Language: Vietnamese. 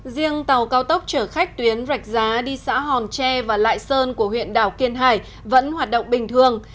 riêng tàu cao tốc chở khách tuyến rạch giá đi xã hòn tre và lại sơn của huyện đảo kiên hải vẫn hoạt động bình thường